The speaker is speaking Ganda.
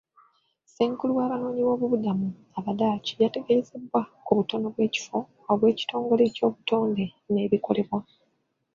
Ssenkulu w'abanoonyiboobubudamu aba Dutch yategeezebwa ku butono bw'ekifo obw'ekitongole ky'obutonde n'ebikolebwa.